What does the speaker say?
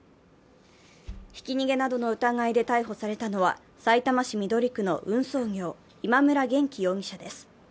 ひき逃げなどの疑いで逮捕されたのは、さいたま市緑区の運送業、今村玄樹容疑者です。